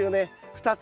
２つ。